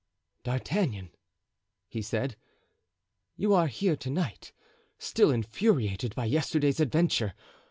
"D'Artagnan," he said, "you are here to night, still infuriated by yesterday's adventure.